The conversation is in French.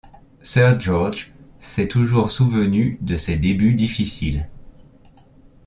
Sir Georg s'est toujours souvenu de ses débuts difficiles.